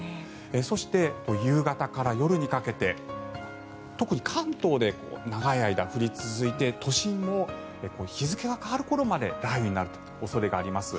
そして、夕方から夜にかけて特に関東で長い間、降り続いて都心も日付が変わる頃まで雷雨になる恐れがあります。